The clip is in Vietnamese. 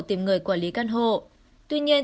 tìm người quản lý căn hộ tuy nhiên